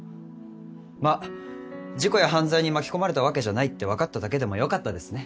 まあ事故や犯罪に巻き込まれたわけじゃないって分かっただけでもよかったですね。